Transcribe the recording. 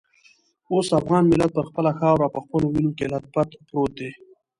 اوس افغان ملت پر خپله خاوره په خپلو وینو کې لت پت پروت دی.